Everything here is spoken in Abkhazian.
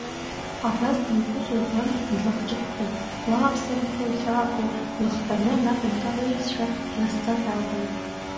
Абас данхәыцуаз Ан длахҿыххон, лааԥсарақәеи лхьаақәеи лыхҳәаны наҟ инкалыжьызшәа, дласӡа дааҟалон.